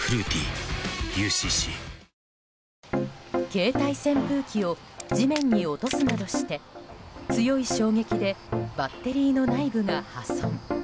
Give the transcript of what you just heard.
携帯扇風機を地面に落とすなどして強い衝撃でバッテリーの内部が破損。